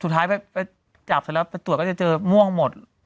สุดท้ายไปจับเสร็จแล้วไปตรวจก็จะเจอม่วงหมด